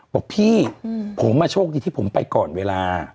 บอกพี่ผมโชคดีที่ผมไปก่อนเวลา